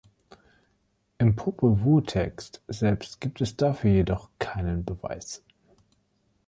Im Popol Vuh Text selbst gibt es dafür jedoch keinen Beweis.